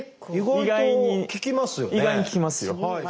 意外に効きますよ。